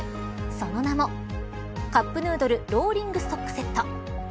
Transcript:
その名も、カップヌードルローリングストックセット。